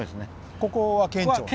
ここは県庁。